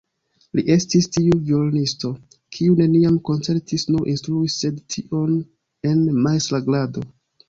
Li estis tiu violonisto, kiu neniam koncertis, nur instruis, sed tion en majstra grado.